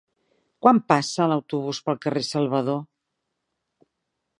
Quan passa l'autobús pel carrer Salvador?